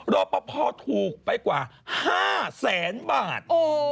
รอปภถูกไปกว่า๕แสนบาท